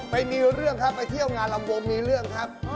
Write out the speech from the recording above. ไปมีเรื่องครับไปเที่ยวงานลำวงมีเรื่องครับ